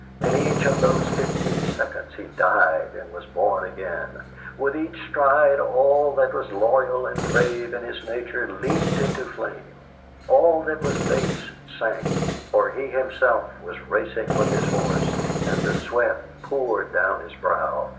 In each of those fifteen seconds he died and was born again; with each stride all that was loyal and brave in his nature leaped into flame, all that was base sank, for he himself was racing with his horse, and the sweat poured down his brow.